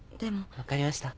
分かりました。